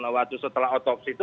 waktu setelah otopsi itu